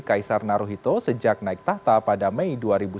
kaisar naruhito sejak naik tahta pada mei dua ribu sembilan belas